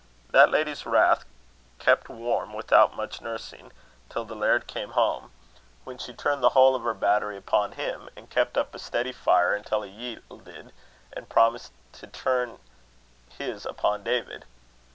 That lady's wrath kept warm without much nursing, till the laird came home; when she turned the whole of her battery upon him, and kept up a steady fire until he yielded, and promised to turn his upon David.